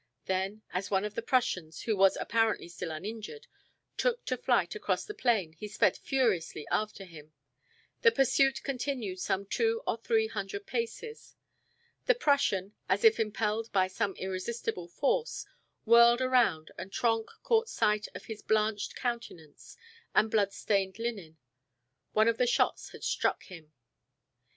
Then, as one of the Prussians, who was apparently still uninjured, took to flight across the plain he sped furiously after him. The pursuit continued some two or three hundred paces. The Prussian, as if impelled by some irresistible force, whirled around and Trenck caught sight of his blanched countenance and blood stained linen. One of the shots had struck him!